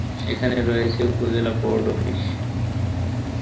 সেখানে রয়েছে উপজেলা বোর্ড অফিস।